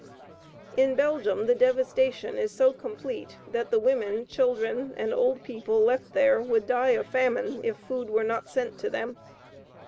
In Belgium the devastation is so complete that the women, children, and old people left there would die of famine if food were not sent to them.